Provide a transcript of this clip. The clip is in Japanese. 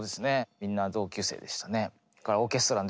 みんな同級生でしたね。